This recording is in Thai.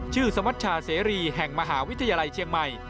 สมัชชาเสรีแห่งมหาวิทยาลัยเชียงใหม่